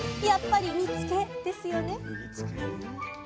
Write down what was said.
やっぱり煮つけですよね。